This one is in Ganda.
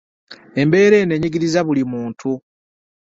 Embeera eno enyigiriza buli muntu.